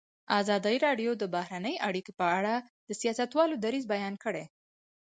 ازادي راډیو د بهرنۍ اړیکې په اړه د سیاستوالو دریځ بیان کړی.